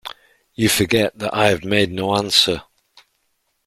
You forget that I have made no answer.